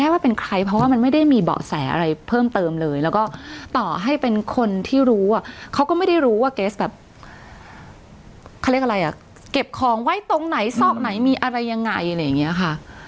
เขาเรียกอะไรอ่ะเก็บของไว้ตรงไหนซอกไหนมีอะไรยังไงอะไรอย่างเงี้ยค่ะ